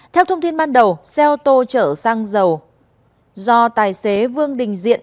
theo thông tin ban đầu xe ô tô chở xăng dầu do tài xế vương đình diện